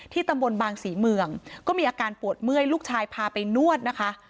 ตำบลบางศรีเมืองก็มีอาการปวดเมื่อยลูกชายพาไปนวดนะคะ